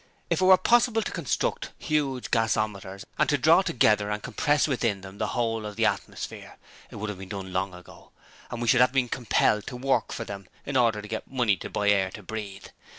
If it were possible to construct huge gasometers and to draw together and compress within them the whole of the atmosphere, it would have been done long ago, and we should have been compelled to work for them in order to get money to buy air to breathe.